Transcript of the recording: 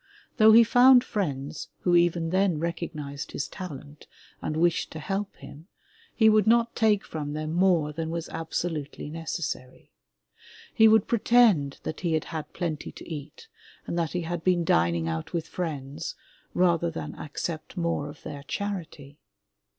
Though he found friends who even then recognized his talent and wished to help him, he would not take from them more than was absolutely necessary. He would pre tend that he had had plenty to eat and that he had been dining out with friends, rather than accept more of their charity.